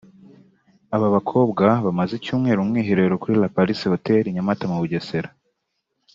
Aba bakobwa bamaze icyumweru mu mwiherero kuri La Palisse Hotel i Nyamata mu Bugesera